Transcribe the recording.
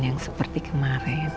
yang seperti kemarin